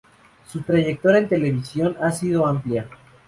Su trayectoria en televisión ha sido amplia.